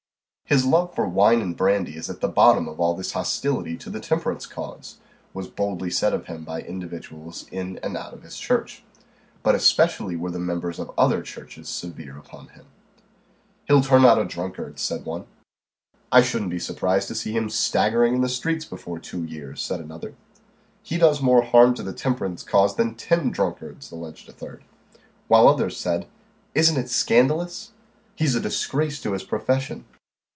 "His love for wine and brandy is at the bottom of all this hostility to the temperance cause," was boldly said of him by individuals in and out of his church. But especially were the members of other churches severe upon him. "He'll turn out a drunkard," said one. "I shouldn't be surprised to see him staggering in the streets before two years," said another. "He does more harm to the temperance cause than ten drunkards," alleged a third. While others said "Isn't it scandalous!" "He's a disgrace to his profession!"